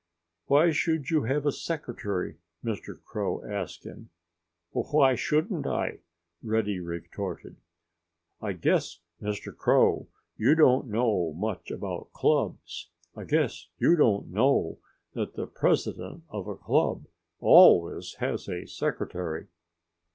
"Why should you have a secretary?" Mr. Crow asked him. "Why shouldn't I?" Reddy retorted. "I guess, Mr. Crow, you don't know much about clubs. I guess you don't know that the president of a club always has a secretary."